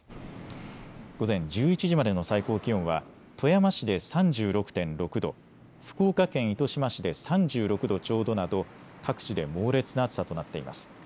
午前１１時までの最高気温は富山市で３６．６度、福岡県糸島市で３６度ちょうどなど各地で猛烈な暑さとなっています。